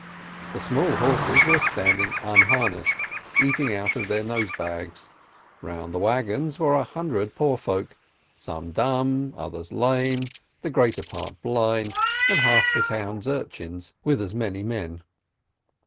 The small horses were standing unharnessed, eating out of their nose bags; round the wagons were a hundred poor folk, some dumb, others lame, the greater part blind, and half the town urchins with as many men.